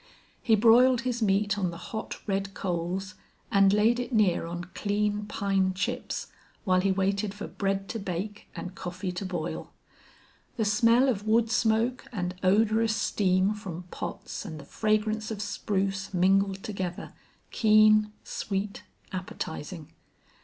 He broiled his meat on the hot, red coals, and laid it near on clean pine chips, while he waited for bread to bake and coffee to boil. The smell of wood smoke and odorous steam from pots and the fragrance of spruce mingled together, keen, sweet, appetizing.